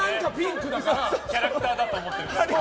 キャラクターだと思って。